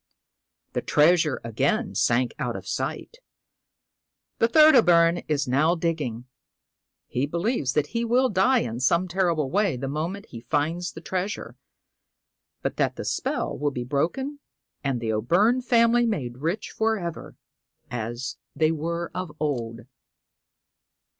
The treasure again sank out of sight. The third O' Byrne is now dig ging. He believes that he will die in some terrible way the moment he finds the treasure, but that the spell will be broken, and the O' Byrne family made rich for ever, as they were of old.